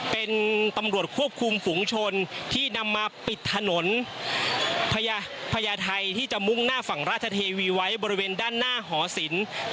เป็นตำรวจควบคุมฝุงชนที่นำมาปิดถนนพญาไทยที่จะมุ่งหน้าฝั่งราชเทวีไว้บริเวณด้านหน้าหอศิลป์